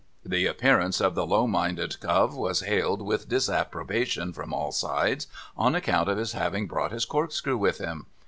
The appearance of the low minded cove was hailed with disapprobation from all sides, on account of his having brought his corkscrew with him.